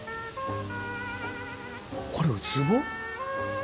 これウツボ？